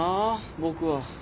僕は。